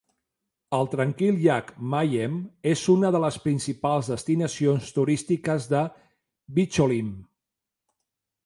El tranquil llac Mayem és una de les principals destinacions turístiques de Bicholim.